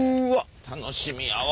楽しみやわ。